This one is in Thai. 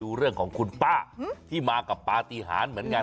ดูเรื่องของคุณป้าที่มากับปฏิหารเหมือนกัน